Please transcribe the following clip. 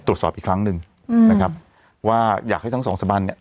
ตรวจสอบอีกครั้งหนึ่งอืมนะครับว่าอยากให้ทั้งสองสบันเนี่ย